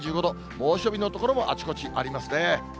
猛暑日の所もあちこちありますね。